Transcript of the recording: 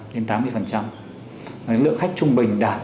lượng khách trung bình đạt